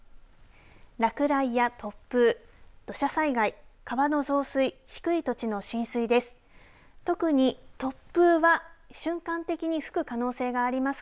落雷や突風土砂災害、川の増水低い土地の浸水です。